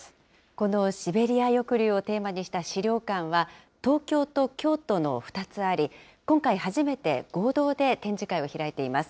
このシベリア抑留をテーマにした資料館は、東京と京都の２つあり、今回、初めて合同で展示会を開いています。